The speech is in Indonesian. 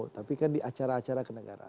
tapi kan di acara acara kenegaraan